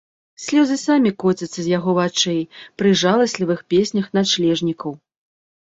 Слёзы самі коцяцца з яго вачэй пры жаласлівых песнях начлежнікаў.